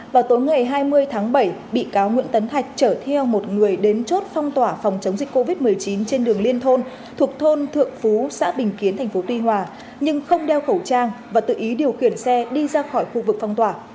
vào tối ngày hai mươi tháng bảy bị cáo nguyễn tấn thạch trở theo một người đến chốt phong tỏa phòng chống dịch covid một mươi chín trên đường liên thôn thuộc thôn thượng phú xã bình kiến tp tuy hòa nhưng không đeo khẩu trang và tự ý điều khiển xe đi ra khỏi khu vực phong tỏa